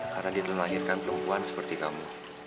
karena dia telah melahirkan perempuan seperti kamu